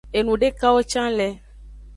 Enudekawo can le.